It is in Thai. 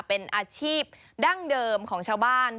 เป็นอาชีพดั้งเดิมของชาวบ้าน